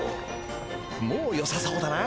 もうよさそうだな。